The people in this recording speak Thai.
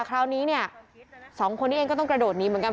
คราวนี้สองคนเองก็ต้องกระโดดนี้เหมือนกัน